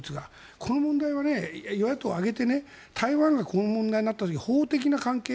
この問題は与野党挙げて台湾がこの問題になった時法的な関係